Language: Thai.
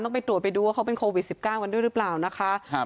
ไปตรวจไปดูว่าเขาเป็นโควิด๑๙กันด้วยหรือเปล่านะคะ